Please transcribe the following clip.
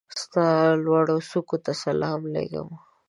ستا لوړوڅوکو ته سلام لېږم